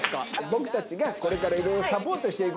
僕たちがこれからいろいろサポートしていこうというね。